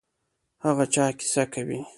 هغه چا کیسه کوي.